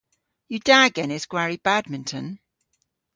Yw da genes gwari badminton?